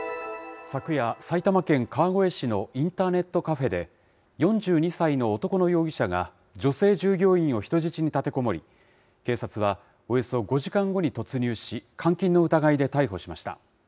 昨夜、埼玉県川越市のインターネットカフェで、４２歳の男の容疑者が、女性従業員を人質に立てこもり、警察はおよそ５時間後に突入し、監禁の疑いで逮捕しました。